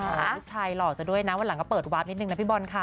ลูกชายหล่อซะด้วยนะวันหลังก็เปิดวาร์ฟนิดนึงนะพี่บอลค่ะ